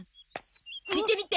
見て見て！